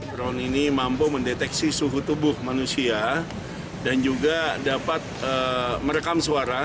drone ini mampu mendeteksi suhu tubuh manusia dan juga dapat merekam suara